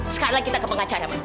sekarang kita ke pengacara ma